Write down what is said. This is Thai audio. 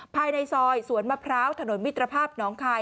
ภายในซอยสวนมะพร้าวถนนมิตรภาพน้องคาย